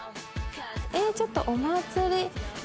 ちょっとお祭り。